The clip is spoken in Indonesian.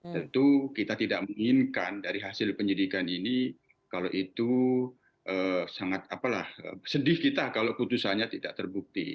tentu kita tidak menginginkan dari hasil penyidikan ini kalau itu sangat sedih kita kalau putusannya tidak terbukti